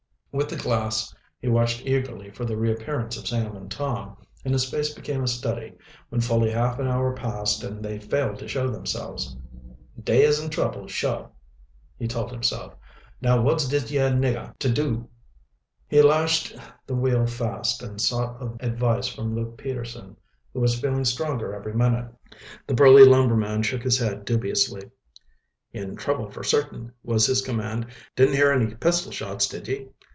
With the glass he watched eagerly for the reappearance of Sam and Tom, and his face became a study when fully half an hour passed and they failed to show themselves. "Da is in trouble, suah!" he told himself. "Now wot's dis yeah niggah to do?" He lashed the wheel fast and sought advice from Luke Peterson, who was feeling stronger every minute. The burly lumberman shook his head dubiously. "In trouble for certain," was his comment. "Didn't hear any pistol shots, did ye?"